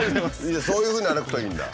そういうふうに歩くといいんだ。